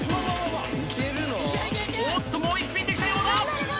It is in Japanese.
おっともう１品できたようだ